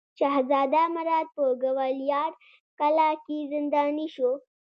شهزاده مراد په ګوالیار کلا کې زنداني شو.